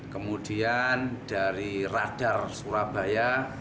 kemudian dari radar surabaya